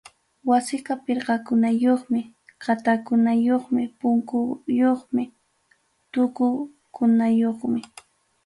Wasiqa pirqakunayuqmi, qatakunayuqmi, punkuyuqmi, tuqukunayuqmi.